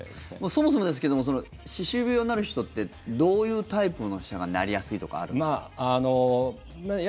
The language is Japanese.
そもそもですけども歯周病になる人ってどういうタイプの人がなりやすいとかあるんですか？